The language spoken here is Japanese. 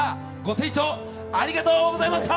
別府ちゃんありがとうございました。